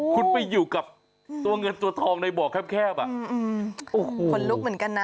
คุณไปอยู่กับตัวเงินตัวทองในบ่อแคบอ่ะโอ้โหขนลุกเหมือนกันนะ